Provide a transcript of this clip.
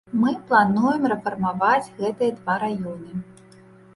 Мы плануем рэфармаваць гэтыя два раёны.